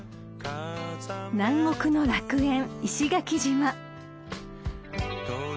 ［南国の楽園石垣島］